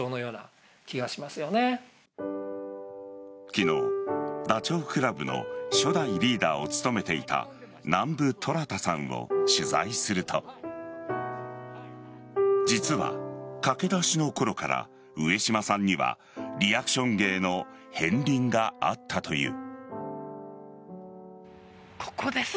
昨日、ダチョウ倶楽部の初代リーダーを務めていた南部虎弾さんを取材すると実は駆け出しの頃から上島さんにはリアクション芸の片りんがあったという。